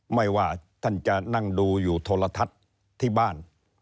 ไม่ว่าท่านจะนั่งดูอยู่โทรทัศน์ที่บ้าน